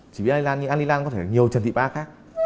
chỉ biết an lý lan có thể là nhiều trần thị ba khác